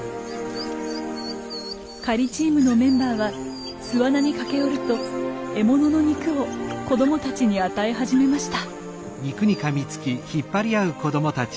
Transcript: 狩りチームのメンバーは巣穴に駆け寄ると獲物の肉を子供たちに与え始めました。